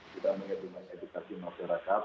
kita menghitung edukasi masyarakat